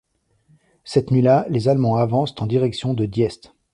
Cette nuit-là, les Allemands avancent en direction de Diest.